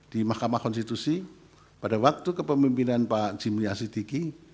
di mahkamah konstitusi pada waktu kepemimpinan pak jimliasitiki